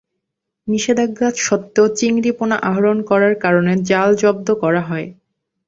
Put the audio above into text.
নিষেধাজ্ঞা সত্ত্বেও চিংড়ি পোনা আহরণ করার কারণে জাল জব্দ করা হয়।